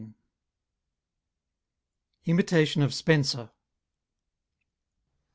IMITATION OF SPENSER.